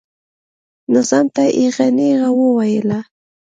نظام ته یې ایغه نیغه وویله.